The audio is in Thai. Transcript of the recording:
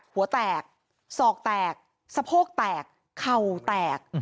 หัวแตกศอกแตกสะโพกแตกเข่าแตก